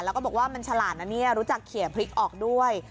แล้วก็บอกว่ามันฉลาดนะเนี่ยรู้จักเขียพริกออกด้วย